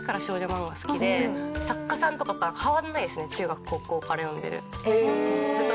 作家さんとか変わらないですね中学高校から読んでる。